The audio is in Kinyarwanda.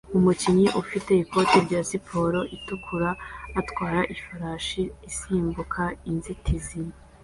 Umukinnyi ufite ikote rya siporo itukura atwara ifarashi isimbuka inzitizi